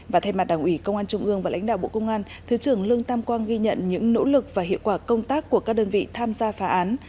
và thay mặt đảng ủy công an trung ương và lãnh đạo bộ công an thứ trưởng lương tam quang ghi nhận những nỗ lực và hiệu quả công tác của các đơn vị tham gia phá án